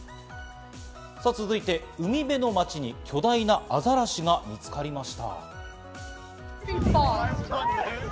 続いて海辺の街に巨大なアザラシが見つかりました。